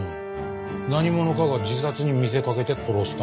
何者かが自殺に見せかけて殺したって事ですか？